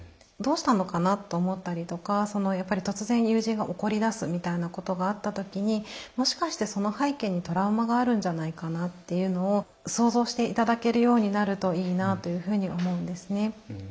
どうしたのかなと思ったりとかやっぱり突然友人が怒りだすみたいなことがあった時にもしかしてその背景にトラウマがあるんじゃないかなっていうのを想像して頂けるようになるといいなというふうに思うんですね。